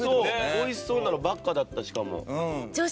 美味しそうなのばっかだったしかも。